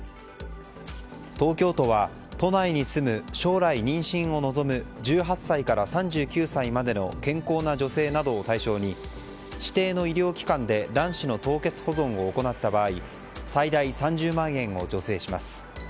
東京都は都内に住む将来、妊娠を望む１８歳から３９歳までの健康な女性などを対象に指定の医療機関で卵子の凍結保存を行った場合最大３０万円を助成します。